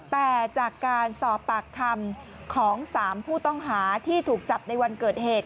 แต่จากการสอบปากคำของ๓ผู้ต้องหาที่ถูกจับในวันเกิดเหตุ